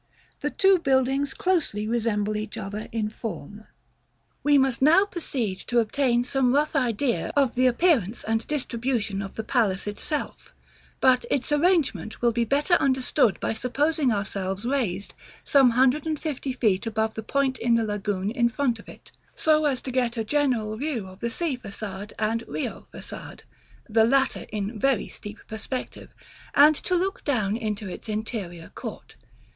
The two buildings closely resemble each other in form. § IV. We must now proceed to obtain some rough idea of the appearance and distribution of the palace itself; but its arrangement will be better understood by supposing ourselves raised some hundred and fifty feet above the point in the lagoon in front of it, so as to get a general view of the Sea Façade and Rio Façade (the latter in very steep perspective), and to look down into its interior court.